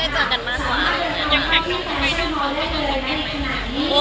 สู้แลกเด็กอีนูซินกับเมื่อไหน